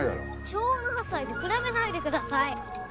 昭和の８歳と比べないでください。